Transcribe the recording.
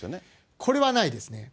これはないですね。